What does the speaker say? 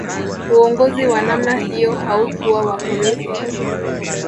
Uongozi wa namna hiyo haukuwa wa kurithi